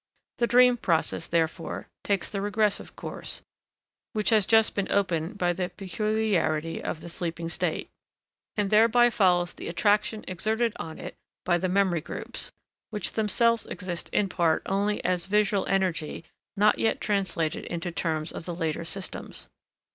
The dream process, therefore, takes the regressive course, which has just been opened by the peculiarity of the sleeping state, and thereby follows the attraction exerted on it by the memory groups, which themselves exist in part only as visual energy not yet translated into terms of the later systems.